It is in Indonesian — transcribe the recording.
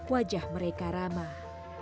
wajah mereka ramah